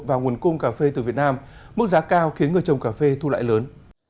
vào nguồn cung cà phê từ việt nam mức giá cao khiến người trồng cà phê thu lại lớn